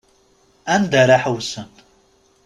Anda ara ḥewsen.